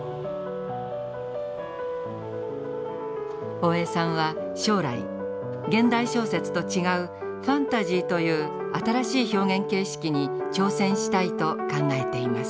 大江さんは将来現代小説と違うファンタジーという新しい表現形式に挑戦したいと考えています。